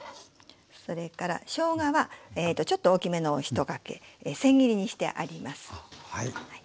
それからしょうがはちょっと大きめのを１かけせん切りにしてあります。